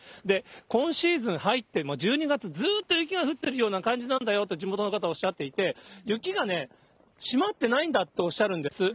今シーズン入って１２月、ずっと雪が降ってるような感じなんだよって、地元の方はおっしゃっていて、雪がね、締まってないんだっておっしゃるんです。